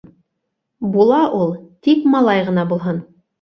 — Була ул, тик малай ғына булһын!